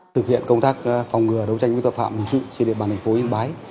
thực hiện công tác phòng ngừa đấu tranh với tội phạm hình sự trên địa bàn thành phố yên bái